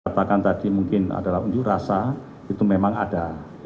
katakan tadi mungkin adalah unjuk rasa itu memang ada